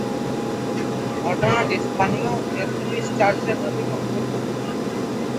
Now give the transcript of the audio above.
ঘটনাটি স্থানীয় মেথডিস্ট চার্চের নথিতে অন্তর্ভুক্ত।